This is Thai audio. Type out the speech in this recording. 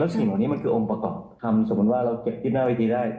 สิ่งเหล่านี้มันคือองค์ประกอบทำสมมุติว่าเราเก็บที่หน้าวิธีได้